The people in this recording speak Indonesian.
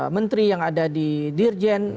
menteri yang ada di dirjen